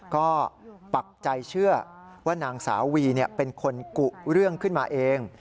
ก็ปักใจเชื่อว่านางสาววีเป็นคนกุเรื่องขึ้นมาเอง